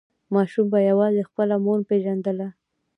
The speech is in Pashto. ماشوم به یوازې خپله مور پیژندل.